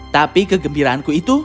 tapi kegembiraanku itu